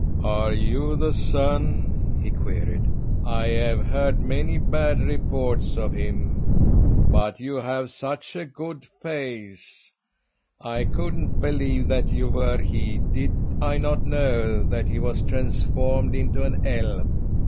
"Are you the son?" he queried. "I have heard many bad reports of him. But you have such a good face, I couldn't believe that you were he, did I not know that he was transformed into an elf."